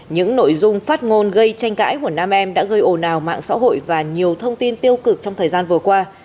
những nội dung phát ngôn gây tranh cãi của nam em đã gây ồn ào mạng xã hội và nhiều thông tin tiêu cực trong thời gian vừa qua